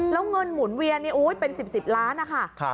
แล้วเงินหมุนเวียเนี่ยโอ้โฮเป็น๑๐ล้านฯนะคะ